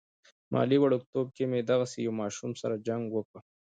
مالې وړوکتوب کې مې دغسې يو ماشوم سره جنګ وکه.